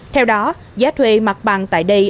theo đó giá thuê mặt bằng tại đây